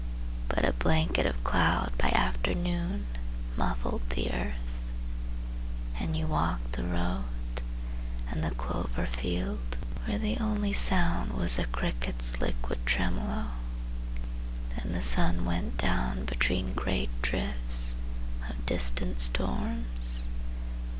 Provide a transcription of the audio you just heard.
But a blanket of cloud by afternoon Muffled the earth. And you walked the road And the clover field, where the only sound Was the cricket's liquid tremolo. Then the sun went down between great drifts Of distant storms.